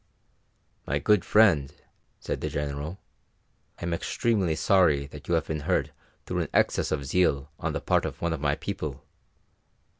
"My good friend," said the General, "I am extremely sorry that you have been hurt through an excess of zeal on the part of one of my people.